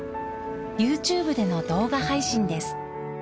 ＹｏｕＴｕｂｅでの動画配信です。